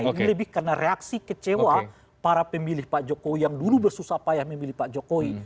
ini lebih karena reaksi kecewa para pemilih pak jokowi yang dulu bersusah payah memilih pak jokowi